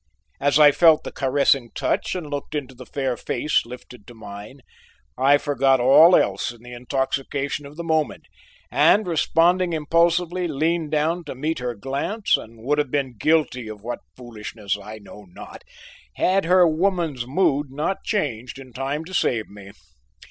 As I felt the caressing touch and looked into the fair face lifted to mine, I forgot all else in the intoxication of the moment, and responding impulsively leaned down to meet her glance and would have been guilty of what foolishness I know not, had her woman's mood not changed in time to save me.